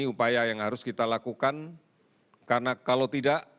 upaya yang harus kita lakukan karena kalau tidak